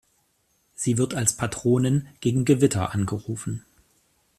Sie wird als Patronin gegen Gewitter angerufen.